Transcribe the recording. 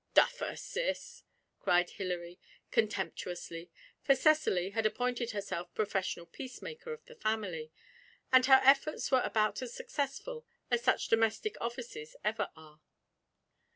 'Duffer, Cis!' cried Hilary, contemptuously, for Cecily had appointed herself professional peacemaker to the family, and her efforts were about as successful as such domestic offices ever are.